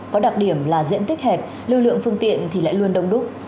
có đặc điểm là diện tích hẹp lưu lượng phương tiện thì lại luôn đông đúc